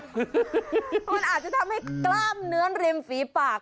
มันอาจจะทำให้กล้ามเนื้อริมฝีปาก